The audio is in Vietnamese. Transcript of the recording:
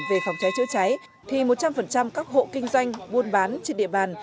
về phòng cháy chữa cháy thì một trăm linh các hộ kinh doanh buôn bán trên địa bàn